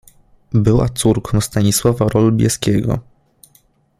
Była córką Stanisława Rolbieskiego.